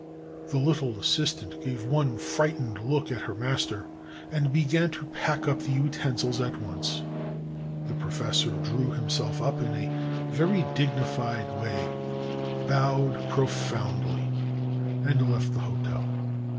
The httle assistant gave one frightened look at her master, and began to pack up the utensils at once; the professor drew himself up in a very dignified way, bowed profoundly, and left the hotel.